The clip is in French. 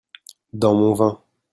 dans mon vin.